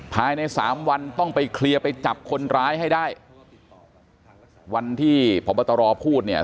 ภายในสามวันต้องไปเคลียร์ไปจับคนร้ายให้ได้วันที่พบตรพูดเนี่ย